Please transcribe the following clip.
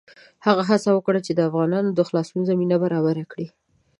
هغه هڅه وکړه چې د افغانانو د خلاصون زمینه برابره کړي.